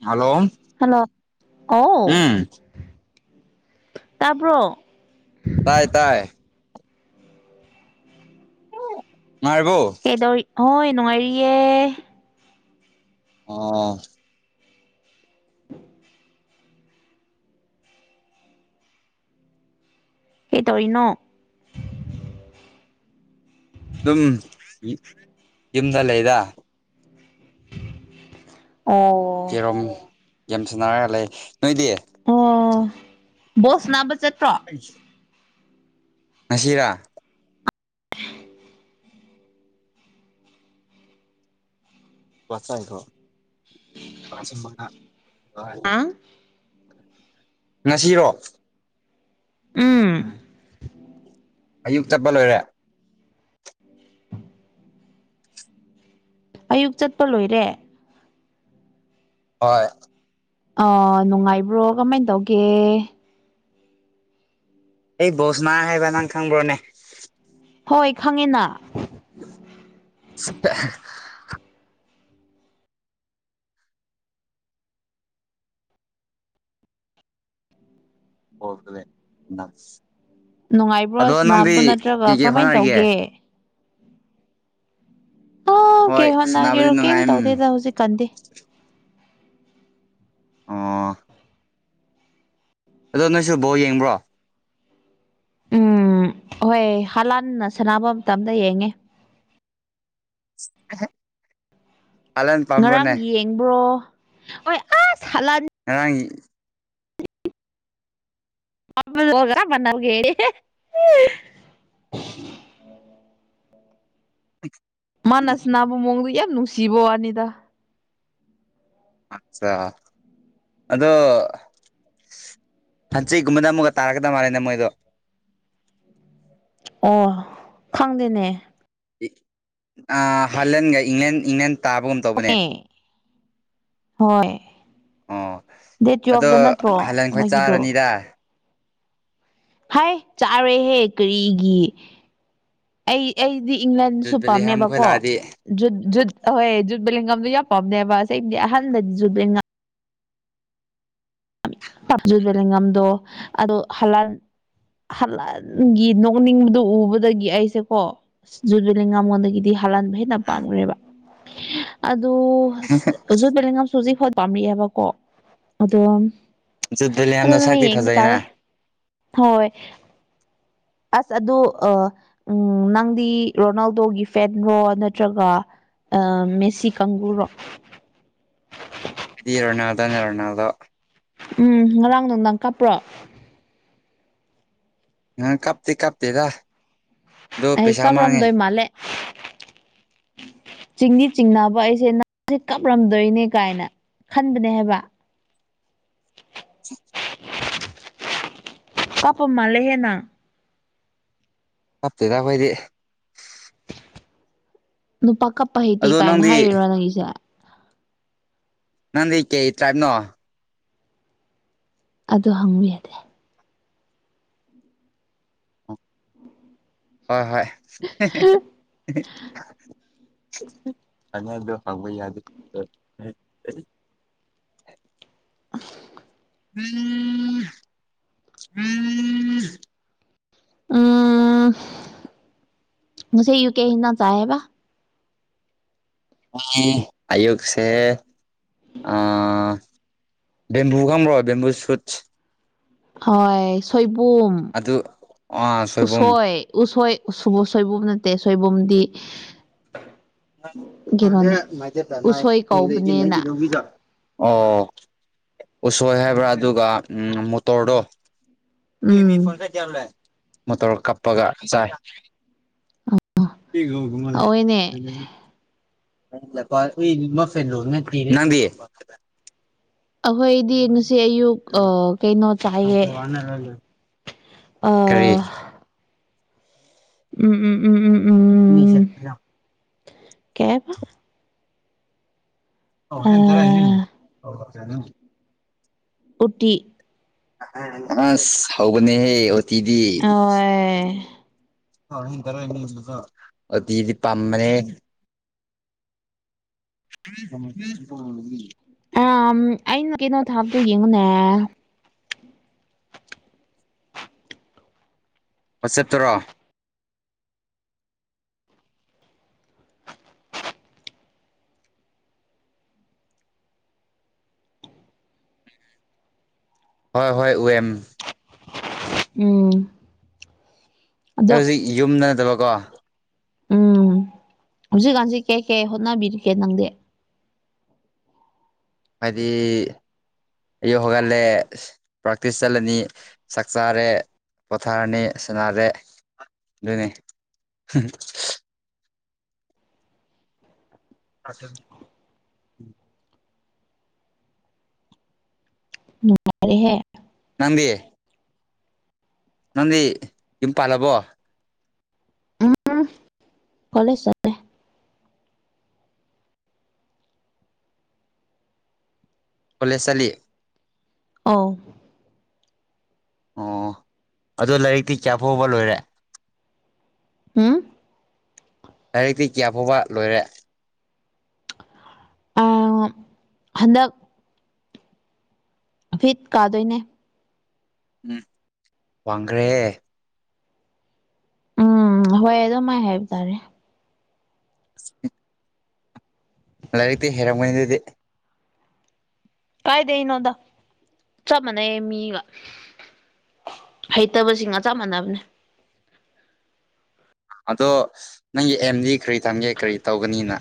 hello hello ꯑꯣ ꯎꯝ ꯇꯥꯕ꯭ꯔꯣ ꯇꯥꯏ ꯇꯥꯏ [unintelligible] ꯉꯥꯏꯔꯤꯕꯣ ꯀꯗꯧꯔꯤ ꯍꯣꯏ ꯅꯨꯉꯥꯏꯔꯤꯌꯦ ꯑꯣ [inaudible] ꯀꯩ ꯇꯧꯔꯤꯅꯣ ꯑꯗꯨꯝ ꯏ ꯌꯨꯝꯗ ꯂꯩꯗ ꯑꯣ ꯀꯦꯔꯣꯝ ꯒꯦꯝ ꯁꯟꯅꯔꯒ ꯂꯩ ꯅꯣꯏꯗꯤ ꯑꯣ ꯕꯣꯜ ꯁꯟꯅꯥꯕ ꯆꯠꯄ꯭ꯔꯣ [unintelligible] ꯉꯁꯤꯔꯥ ꯑꯥ [unintelligible] ꯉꯁꯤꯔꯣ ꯎꯝ ꯑꯌꯨꯛ ꯇꯞꯄ ꯂꯣꯏꯔꯦ ꯑꯌꯨꯛ ꯆꯠꯄ ꯂꯣꯏꯔꯦ ꯍꯣꯏ ꯑ ꯅꯨꯡꯉꯥꯏꯕ꯭ꯔꯣ ꯀꯃꯥꯏ ꯇꯧꯒꯦ ꯑꯩ ꯕꯣꯁꯅꯥ ꯍꯥꯏꯕ ꯅꯪ ꯈꯪꯕ꯭ꯔꯣꯅꯦ ꯍꯣꯏ ꯈꯪꯉꯤꯅ [unintelligible] ꯑꯗꯣ ꯅꯨꯡꯉꯥꯏꯕ꯭ꯔꯣ ꯅꯪꯗꯤ ꯁꯅꯥꯕꯗꯣ ꯀꯩ ꯅꯠꯇ꯭ꯔꯒ ꯀꯩ ꯀꯔꯝꯃꯥꯏꯅ ꯍꯣꯠꯅꯔꯤꯒꯦ ꯇꯧꯒꯦ ꯑ ꯍꯣꯏ ꯀꯩ ꯁꯥꯟꯅꯕꯗꯤ ꯍꯣꯅꯒꯦꯔꯣ ꯀꯩꯝ ꯅꯨꯡꯉꯥꯏ ꯎꯝ ꯇꯧꯗꯦꯗ ꯍꯧꯖꯤꯛ ꯀꯥꯟꯗꯦ ꯑꯥ ꯑꯗꯣ ꯅꯣꯏꯁꯨ ꯕꯥꯎ ꯌꯦꯡꯕ꯭ꯔꯣ ꯎꯝ ꯍꯣꯏ ꯍꯥꯟꯂꯥꯟꯅ ꯁꯥꯟꯅꯕ ꯃꯇꯝꯗ ꯌꯦꯡꯉꯦ ꯑ [unintelligible] ꯉꯔꯥꯡ ꯌꯦꯡꯕ꯭ꯔꯣ ꯍꯣꯏ ꯑꯁ ꯍꯥꯜꯂꯅꯤ ꯉꯔꯥꯡꯒꯤ [unintelligible] ꯃꯄ ꯍꯃ ꯅꯒ [unintelligible] ꯑ [unintelligible] ꯃꯥꯅꯁ ꯅꯥꯕ ꯃꯑꯣꯡꯗ ꯌꯥꯝ ꯅꯨꯡꯁꯤꯕ ꯋꯥꯅꯤꯗ ꯑꯆꯥ ꯑꯗꯣ ꯍꯟꯆꯤꯒꯨꯝꯕꯗ ꯑꯃꯨꯛ ꯇꯥꯔꯛꯀꯗ ꯃꯥꯜꯂꯦꯅꯦ ꯃꯣꯏꯗꯣ ꯑꯣ ꯈꯪꯗꯦꯅꯦ ꯍꯜꯂꯦꯟꯒ ꯏꯪꯂꯦꯟ ꯏꯪꯂꯦꯟ ꯇꯥꯕꯒ ꯑꯣꯀꯦ ꯍꯣꯏ ꯑꯣ ꯗꯦꯠ ꯑꯗꯣ ꯇꯨꯦꯜꯐꯇ ꯅꯠꯇ꯭ꯔꯣ ꯍꯜꯂꯟ ꯈꯣꯏ ꯃꯣꯏꯒꯤꯗꯣ ꯆꯥꯔꯅꯤꯗ ꯍꯥꯏ ꯆꯥꯔꯣꯏꯍꯦ ꯀꯔꯤꯒꯤ ꯑꯩ ꯑꯩꯗꯤ ꯏꯪꯂꯦꯟꯁꯨ ꯖꯨꯠ ꯕꯦꯂꯤꯍꯥꯝ ꯈꯣꯏ ꯄꯥꯝꯃꯦꯕꯀꯣ ꯂꯥꯛꯑꯗꯤ ꯖꯨꯠ ꯨꯠ ꯍꯣꯏ ꯖꯨꯠꯕ ꯂꯦꯡꯒꯝꯗꯨꯣ ꯌꯥꯝ ꯄꯝꯅꯦꯕꯗꯤ ꯑꯍꯟꯗꯗꯤ ꯖꯨꯠ ꯄꯝꯖꯕꯉꯝꯗꯣ ꯑꯗꯣ ꯍꯂꯥꯟ ꯍꯍꯟꯒꯤ ꯅꯣꯛꯅꯤꯡꯕꯗꯨ ꯎꯕꯗꯒꯤ ꯑꯩꯁꯦꯀꯣ ꯖꯨꯔꯕꯤꯂꯤ ꯉꯝꯃꯗꯒꯗꯦ ꯍꯥꯍꯟꯕ ꯍꯦꯟꯅ ꯄꯥꯝꯈ꯭ꯔꯦꯕ ꯑꯗꯨ ꯍꯧꯖꯤ ꯄꯦꯂ ꯁ ꯍꯧꯖꯤꯛ ꯄꯥꯝꯃꯛꯑꯦꯕꯀꯣ ꯑꯗꯣ ꯖꯨꯠ ꯑꯗꯨ ꯕꯦꯂꯤꯍꯥꯝꯗꯣ ꯅꯃꯤ ꯁꯛꯇꯤ ꯌꯦꯡꯕ ꯐꯖꯩꯅ ꯇꯥꯔꯦ ꯍꯣꯏ ꯑꯁ ꯑꯗꯨ ꯑ ꯎꯝ ꯅꯪꯗꯤ ꯔꯣꯅꯥꯜꯗꯣꯒꯤ ꯐꯦꯗ꯭ꯔꯣ ꯅꯠꯇ꯭ꯔꯒ ꯑ ꯃꯦꯁꯤ ꯀꯪꯒꯨꯔꯣ ꯍꯥꯏꯗꯤ ꯏꯔꯣꯅꯥꯜꯗ ꯅꯔꯣꯅꯥꯗꯣ ꯎꯝ ꯉꯔꯥꯡ ꯅꯨꯡꯗꯥꯡꯪ ꯀꯥꯞꯄ꯭ꯔꯣ ꯅ ꯀꯥꯞꯇꯦ ꯀꯥꯞꯇꯦꯗ ꯑꯗꯣ ꯄꯩꯁꯥ ꯃꯥꯡꯉꯦ ꯃꯥꯂꯦ ꯆꯤꯡꯗꯤ ꯆꯤꯡꯅꯕ ꯑꯩꯁꯦ ꯅꯍꯁꯦ ꯀꯞꯂꯝꯝꯗꯣꯏꯅꯦ ꯀꯥꯏꯅ ꯈꯟꯕꯅꯦ ꯍꯥꯏꯕ ꯁꯤ [unintelligible] ꯄꯥꯄ ꯃꯥꯜꯂꯦ ꯍꯦꯅ ꯍꯥꯞꯇꯦꯗ ꯑꯩꯈꯣꯏꯗꯤ ꯅꯨꯄꯥ ꯀꯞꯄ ꯍꯩꯇꯦ ꯑꯗꯣ ꯀꯥꯏꯅ ꯅꯪꯗꯤ ꯍꯥꯏꯔꯤꯔꯣ ꯅꯪꯒꯤꯁꯦ ꯅꯪꯗꯤ ꯀꯩ ꯇ꯭ꯔꯥꯏꯞꯅꯣ ꯑꯗꯨ ꯍꯪꯕꯤ ꯌꯥꯗꯦ ꯍꯣꯏ ꯍꯣꯏ ꯐꯅꯗꯣ [unintelligible] ꯍꯪꯕ ꯌꯥꯗꯦ ꯎꯝ [unintelligible] ꯎꯝ ꯉꯁꯤ ꯑꯌꯨꯛ ꯀꯩ ꯍꯤꯟꯖꯥꯡ ꯆꯥꯏ ꯍꯥꯏꯕ ꯑꯌꯨꯛꯁꯦ ꯑ ꯕꯦꯝꯕꯨ ꯈꯪꯕ꯭ꯔꯣ ꯕꯦꯝꯕꯨ ꯁꯨꯠꯁ ꯍꯣꯏ ꯁꯣꯏꯕꯨꯝ ꯑꯗꯨ ꯑ ꯁꯣꯏꯕꯨꯝ ꯎꯁꯣꯏ ꯎꯁꯣꯏ ꯁꯣꯏꯕꯨꯝ ꯅꯠꯇꯦ ꯁꯣꯏꯕꯨꯝꯗꯤ ꯀꯩꯅꯣꯅꯦ ꯐꯦꯥꯏꯒꯤ ꯀ ꯎꯁꯣꯏ ꯀꯧꯕꯅꯦꯅ ꯎꯕꯤ ꯆ [unintelligible] ꯑꯣ ꯎꯁꯣꯏ ꯍꯥꯏꯕ꯭ꯔꯥ ꯑꯗꯨꯒ ꯎꯝ ꯃꯣꯇꯣꯔꯗꯣ ꯀ ꯃꯤ ꯎꯝ ꯐꯣꯟ ꯆꯦ [unintelligible] ꯃꯣꯇꯣꯔ ꯀꯞꯄꯒ ꯆꯥꯏ ꯀꯨꯝꯍꯜꯡꯡ [unintelligible] ꯍꯧꯋꯦꯅꯦ ꯎ [unintelligible] ꯃ ꯐꯦꯦꯜꯂꯣ [unintelligible] ꯅꯪꯗꯤ ꯑꯩꯈꯣꯏꯗꯤ ꯉꯁꯤ ꯑꯌꯨꯛ ꯑ ꯀꯩꯅꯣ ꯆꯥꯏꯌꯦ ꯑ ꯋꯥꯅꯦꯔꯂ [unintelligible] ꯑꯥ ꯎꯝ ꯎꯝ ꯎꯝ ꯎꯝ ꯎꯝ ꯎꯝ ꯀꯩ ꯍꯥꯏꯕ ꯑꯣ ꯍꯟ ꯇꯔꯥ ꯍꯥꯏ ꯑꯥ [unintelligible] ꯎꯇꯤ ꯑꯁ ꯍꯥꯎꯕꯅꯤꯍ‌ꯦ ꯎꯠ ꯑꯣ [unintelligible] ꯎꯇꯤꯗꯤ ꯄꯥꯝꯕꯅꯦꯍ‌ꯦ [unintelligible] ꯑꯥꯝ ꯑꯩꯅ ꯀꯩꯅꯣ ꯊꯕꯇꯣ ꯌꯦꯡꯉꯨꯅꯦ ꯋꯥꯆꯦꯞꯇꯔꯣ ꯍꯣꯏ ꯍꯣꯏ ꯎꯋꯦꯝ ꯎꯝ ꯑꯗꯣ ꯑꯩ ꯍꯧꯖꯤꯛ ꯌꯨꯝꯗ ꯅꯠꯇꯕꯀꯣ ꯎꯝ ꯍꯧꯖꯤꯛ ꯀꯥꯟꯁꯤ ꯀꯩ ꯀꯩ ꯍꯣꯠꯅꯕꯤꯔꯤꯒꯦ ꯅꯪꯗꯤ ꯑꯩꯗꯤ ꯑꯌꯨꯛ ꯍꯧꯒꯠꯂꯦ ꯄ꯭ꯔꯥꯛꯇꯤꯁ ꯆꯠꯂꯅꯤ ꯆꯥꯛ ꯆꯥꯔꯦ ꯄꯣꯊꯥꯔꯅꯤ ꯁꯥꯟꯅꯔꯦ ꯑꯗꯨꯅꯦ ꯑ [unintelligible] ꯅꯨꯡꯉꯥꯏꯔꯦ ꯍ‌ꯦ ꯅꯪꯗꯤ ꯅꯪꯗꯤ ꯌꯨꯝ ꯄꯥꯜꯂꯕꯣ ꯑ ꯐꯂꯦꯁ [unintelligible] ꯀꫭꯂꯦꯁ ꯆꯠꯂꯤ ꯑꯥꯎ ꯑꯣ ꯑꯗꯣ ꯂꯥꯏꯔꯤꯛꯇꯤ ꯀꯌꯥꯐꯥꯎꯕ ꯂꯣꯏꯔꯦ ꯍꯥꯝ ꯂꯥꯏꯔꯤꯛꯇꯤ ꯀꯌꯥ ꯐꯥꯎꯕ ꯂꯣꯏꯔꯦ ꯑꯥ ꯍꯟꯗꯛ ꯐꯤꯠ ꯀꯥꯗꯣꯏꯅꯦ ꯎꯝ ꯋꯥꯡꯈ꯭ꯔꯦꯍ‌ꯦ ꯎꯝ ꯍꯣꯏ ꯑꯗꯨꯝꯥꯏ ꯍꯥꯏꯕ ꯇꯥꯔꯦ ꯂꯥꯏꯔꯤꯛꯇꯤ ꯍꯩꯔꯝꯒꯅꯤꯗꯨꯗꯤ ꯀꯥꯏꯗꯩꯅꯣꯗ ꯆꯞ ꯃꯥꯟꯅꯩ ꯃꯤꯒ ꯍꯩꯇꯕꯁꯤꯡꯒ ꯆꯞ ꯃꯥꯟꯅꯕꯅꯦ ꯑꯗꯣ ꯅꯪꯒꯤ ꯑꯦꯝꯗꯤ ꯀꯔꯤ ꯊꯝꯒꯦ ꯀꯔꯤ ꯇꯧꯒꯅꯤꯅ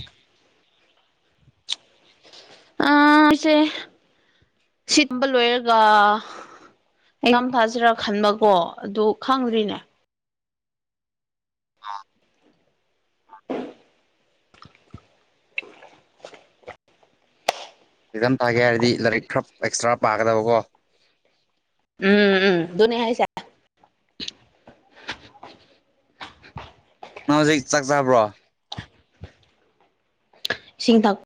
ꯑ ꯑꯩꯁꯦ ꯁꯤꯝꯕ ꯂꯣꯏꯔꯒ ꯑꯦꯛꯖꯥꯝ ꯊꯥꯖꯤꯔꯥ ꯈꯟꯕꯀꯣ ꯑꯗꯨ ꯈꯪꯗ꯭ꯔꯤꯅꯦ [unintelligible] ꯑꯦꯛꯖꯥꯝ ꯊꯥꯒꯦ ꯍꯥꯏꯔꯗꯤ ꯂꯥꯏꯔꯤꯛ ꯈꯔ ꯑꯦꯛꯁꯇ꯭ꯔꯥ ꯄꯥꯒꯗꯕꯀꯣ ꯎꯝ ꯎꯝ ꯗꯨꯅꯦ ꯍꯥꯏꯁꯦ ꯅꯪ ꯍꯧꯖꯤꯛ ꯆꯥꯛ ꯆꯥꯕ꯭ꯔꯣ ꯏꯁꯤꯡꯊꯛ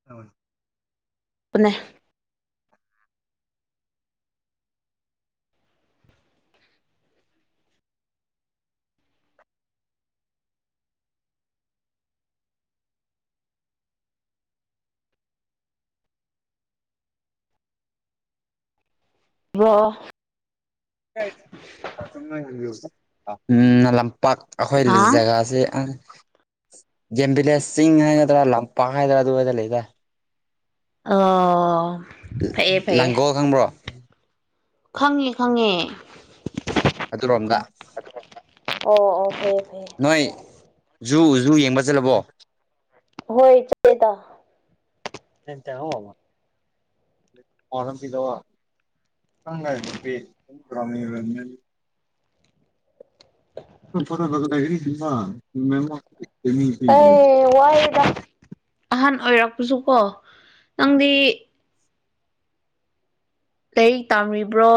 [unintelligible] [unintelligible] [inaudible] ꯎꯝ ꯂꯂꯝꯄꯥꯛ ꯑꯩꯈꯣꯏ ꯍꯥ ꯖꯒꯥꯁꯦ ꯑꯥ ꯖꯦꯝ ꯕꯤꯂꯦꯁ ꯆꯤꯡ ꯍꯥꯏꯒꯗ꯭ꯔꯥ ꯂꯝꯄꯥꯛ ꯍꯥꯏꯒꯗ꯭ꯔꯥ ꯑꯗꯨꯋꯥꯏꯗ ꯂꯩꯗ ꯑꯣ ꯐꯩꯌꯦ ꯐꯩꯌꯦ ꯂꯥꯡꯒꯣꯜ ꯈꯪꯕ꯭ꯔꯣ ꯈꯪꯉꯦ ꯈꯪꯉꯦ ꯑꯗꯨꯔꯣꯝꯗ ꯑꯣ ꯑꯣ ꯐꯩꯌꯦ ꯐꯩꯌꯦ ꯅꯣꯏ ꯖꯨ ꯖꯨ ꯌꯦꯡꯕ ꯆꯠꯂꯕꯣ ꯍꯣꯏ ꯆꯠꯂꯦꯗꯥ [unintelligible] [inaudible] [inaudible] [unintelligible] ꯑꯦ ꯋꯥꯏꯌꯦꯗ ꯑꯍꯟ ꯑꯣꯏꯔꯛꯄꯁꯨꯀꯣ ꯅꯪꯗꯤ ꯂꯥꯏꯔꯤꯛ ꯇꯥꯝꯔꯤꯕ꯭ꯔꯣ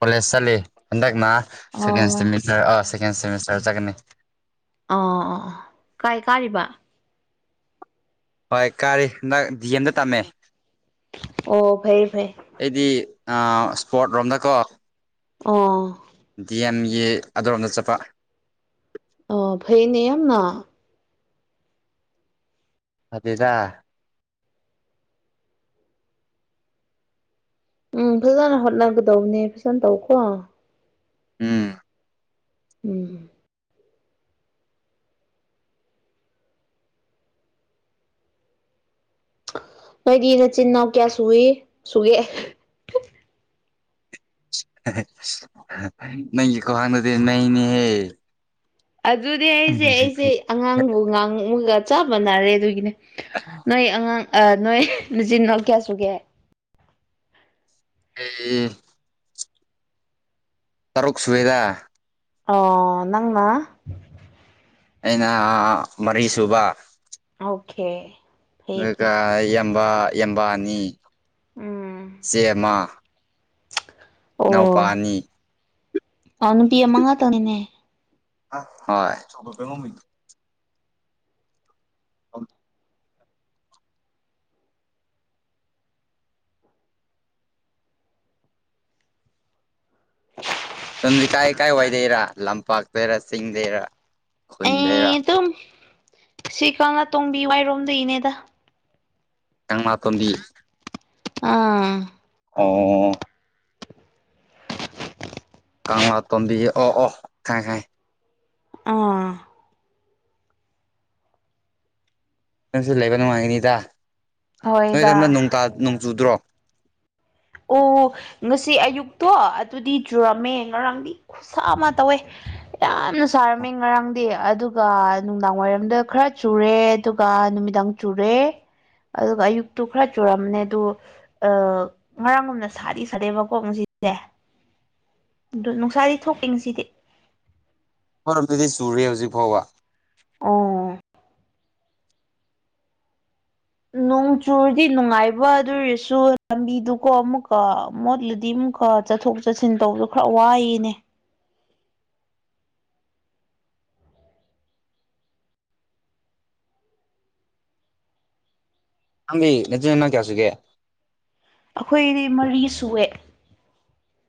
ꯀꯣꯂꯦꯖ ꯆꯠꯂꯤ ꯍꯟꯗꯛꯅ ꯑꯣ ꯁꯦꯀꯦꯁꯦꯃꯤꯁꯇꯔ ꯁꯦꯀꯦꯟ ꯁꯦꯃꯤꯁꯇꯔ ꯆꯠꯀꯅꯤ ꯑꯣ ꯀꯥꯏ ꯀꯥꯔꯤꯕ ꯍꯣꯏ ꯀꯥꯔꯤ ꯗꯛ ꯗꯤ ꯑꯦꯝꯗ ꯇꯝꯃꯦ ꯑꯣ ꯐꯩ ꯐꯩ ꯑꯩꯗꯤ ꯑꯥ ꯏꯁꯄꯣꯔꯠ ꯔꯣꯝꯗꯀꯣ ꯑꯣ ꯗꯤ ꯑꯦꯝꯒꯤ ꯑꯗꯣꯝꯗ ꯆꯠꯄ ꯑꯣ ꯐꯩꯌꯦꯅꯦ ꯌꯥꯝꯅ ꯐꯗꯦꯗ ꯎꯝ ꯐꯖꯅ ꯍꯣꯠꯅꯒꯗꯧꯅꯦ ꯐꯖꯅ ꯇꯧꯀꯣ ꯎꯝ ꯎꯝ ꯃꯣꯏꯗꯤ ꯅꯆꯤꯟ ꯏꯅꯥꯎ ꯀꯌꯥ ꯁꯨꯌꯦ ꯁꯨꯏꯌꯦ ꯅꯪꯒꯤ ꯈꯨꯍꯪꯗꯨꯗꯤ ꯅꯩꯅꯦꯍꯦ ꯑꯗꯨꯅꯦ ꯍꯥꯏꯁꯦ ꯑꯩꯁꯦ ꯑꯉꯥꯡꯕꯨ ꯉꯥꯡꯃꯒ ꯆꯞ ꯃꯥꯟꯅꯔꯦ ꯑꯗꯨꯒꯤꯅꯦ ꯅꯣꯏ ꯑꯉꯥꯡ ꯑ ꯅꯣꯏ ꯅꯆꯤꯟ ꯅꯣꯎ ꯀꯌꯥ ꯁꯨꯒꯦ [unintelligible] ꯇꯔꯨꯛ ꯁꯨꯋꯦꯗꯥ ꯑꯣ ꯅꯪꯃ ꯑꯩꯅ ꯃꯔꯤꯁꯨꯕ ꯑꯣꯀꯦ ꯐꯩꯌꯦ ꯑꯗꯨꯒ ꯐꯩ ꯌꯥꯝꯕꯥ ꯌꯥꯝꯕꯥꯅꯤ ꯎꯝ ꯆꯦꯃ ꯑꯣ ꯑꯅꯤ ꯑ ꯅꯨꯄꯤ ꯑꯃ ꯉꯥꯇꯅꯤꯅꯦ ꯍ ꯄꯃꯤ ꯑ ꯌꯨꯝꯗꯤ ꯀꯥꯏ ꯂꯩꯀꯥꯏ ꯋꯥꯏꯗꯩꯔꯥ ꯂꯝꯄꯥꯛꯇꯔꯥ ꯆꯤꯡꯗꯩꯔꯥ ꯈꯨꯟꯗꯩꯔꯥ ꯑꯩ ꯑꯗꯨꯝ ꯁꯤ ꯀꯪꯂꯥꯇꯣꯡꯝꯕꯤ ꯋꯥꯏꯔꯣꯝꯗꯒꯤꯅꯦꯗ [unintelligible] ꯇꯣꯝꯕꯤ ꯑꯥ ꯑꯣ ꯀꯪꯂꯥ ꯇꯣꯝꯕꯤꯌꯦ ꯑꯣ ꯑꯣ ꯈꯥꯏ ꯈꯥꯏ ꯑꯥ ꯅꯪꯁꯨ ꯂꯩꯕ ꯅꯨꯡꯉꯥꯏꯒꯅꯤꯗ ꯍꯣꯏꯗ ꯅꯣꯏꯗꯝꯗ ꯅꯣꯡ ꯆꯨꯗ꯭ꯔꯣ ꯑꯣ ꯉꯁꯤ ꯑꯌꯨꯛꯇꯣ ꯑꯗꯨꯗꯤ ꯆꯨꯔꯝꯃꯦ ꯉꯔꯥꯡꯗꯤ ꯁꯥ ꯑꯃ ꯇꯧꯋꯦ ꯌꯥꯝꯅ ꯁꯥꯔꯝꯃꯤ ꯉꯔꯥꯡꯗꯤ ꯑꯗꯨ ꯑꯗꯨꯒ ꯅꯨꯡꯗꯥꯡ ꯋꯥꯏꯔꯝꯗ ꯈꯔ ꯆꯨꯔꯦ ꯑꯗꯨꯒ ꯅꯨꯃꯤꯗꯥꯡ ꯆꯨꯔꯦ ꯑꯗꯨꯒ ꯑꯌꯨꯛꯇꯨ ꯈꯔ ꯆꯨꯔꯝꯅꯦ ꯑꯗꯨ ꯑ ꯉꯔꯥꯡꯒꯣꯅ ꯁꯥꯗꯤ ꯁꯥꯗꯦꯕꯀꯣ ꯅꯨꯡꯁꯤꯁꯦ ꯑꯗꯨ ꯅꯨꯡꯁꯥꯗꯤ ꯊꯣꯛꯀꯦ ꯉꯁꯤꯗꯤ ꯐꯣꯔꯝꯗꯨꯗꯤ ꯆꯨꯔꯦ ꯍꯧꯖꯤꯛ ꯐꯥꯎꯕ ꯑꯣ ꯅꯣꯡ ꯆꯨꯔꯗꯤ ꯅꯨꯡꯉꯥꯏꯕ ꯑꯗꯨ ꯑꯣꯏꯔꯁꯨ ꯂꯝꯕꯤꯗꯨꯀꯣ ꯑꯃꯨꯛꯀ ꯃꯣꯠꯂꯨꯗꯤ ꯑꯃꯨꯛꯀ ꯆꯠꯊꯣꯛ ꯆꯠꯁꯤꯟ ꯇꯧꯕꯁꯨ ꯈꯔ ꯋꯥꯏꯅꯦ ꯅꯪꯕꯤ [unintelligible] ꯀꯌꯥꯁꯤꯒꯦ ꯑꯩꯈꯣꯏꯗꯤ ꯃꯔꯤ ꯁꯨꯋꯦ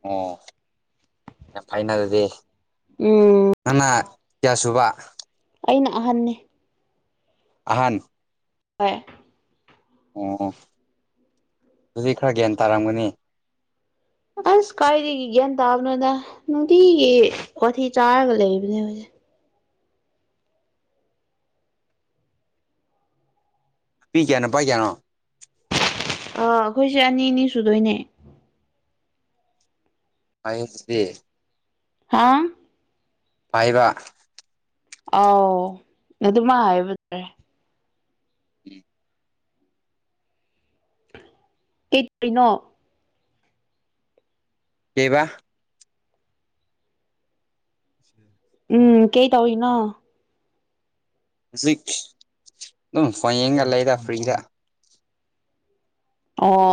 ꯑꯣ ꯌꯥꯝ ꯐꯥꯏꯅꯜꯗꯤ ꯎꯝ ꯉꯅꯥ ꯀꯌꯥ ꯁꯨꯕ ꯑꯩꯅ ꯑꯍꯟꯅꯤ ꯑꯍꯟ ꯍꯣꯏ ꯑꯣ ꯑꯗꯨꯗꯤ ꯈꯔ ꯒ꯭ꯌꯥꯟ ꯇꯥꯔꯝꯒꯅꯤ ꯑꯁ ꯀꯥꯏꯗꯒꯤ ꯒ꯭ꯌꯥꯟ ꯇꯥꯕꯅꯣꯗ ꯅꯨꯡꯇꯤꯒꯤ ꯋꯥꯊꯤ ꯆꯥꯔꯒ ꯂꯩꯕꯅꯦ ꯍꯧꯏꯁꯦ ꯄꯤ [unintelligible] ꯑ ꯑꯩꯈꯣꯏꯁꯦ ꯑꯅꯤ ꯑꯅꯤ ꯁꯨꯗꯣꯏꯅꯦ [unintelligible] ꯍꯥꯥ ꯄꯥꯏꯕ ꯑꯥꯎ ꯑꯗꯨꯃ ꯍꯥꯏꯕ ꯇꯥꯔꯦ [inaudible] ꯀꯩꯇꯔꯤꯅꯣ [unintelligible] [inaudible] ꯎꯝ ꯀꯩꯇꯧꯅꯣ ꯍꯧꯖꯤꯛ ꯑꯗꯨꯝ ꯐꯣꯟ ꯌꯦꯡꯒ ꯂꯩꯔ ꯐ꯭ꯔꯤꯗ ꯑꯣ